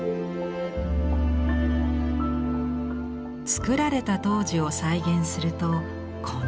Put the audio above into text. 作られた当時を再現するとこんな感じ。